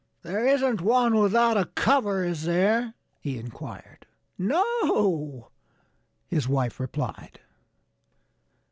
"There isn't one without a cover, is there?" he inquired. "No!" his wife replied.